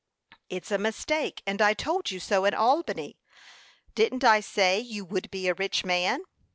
"It's a mistake, and I told you so in Albany. Didn't I say you would be a rich man?"